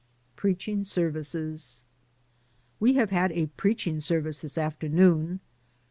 PREACHING SERVICES. We have had a preaching service this afternoon.